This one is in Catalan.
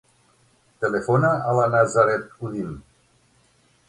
Telefona a la Nazaret Uddin.